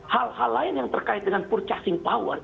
hal hal lain yang terkait dengan purchasing power